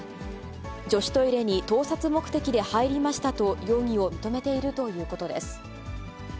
女子トイレに盗撮目的で入りましたと、容疑を認めているということです。